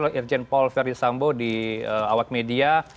oleh irjen paul ferdisambo di awag media